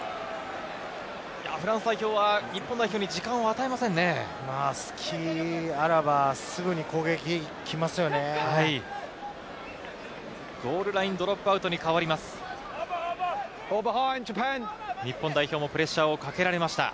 フランス代表は日本代表に時間を与えませんね。